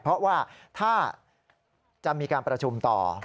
เพราะว่าถ้าจะมีการประชุมต่อ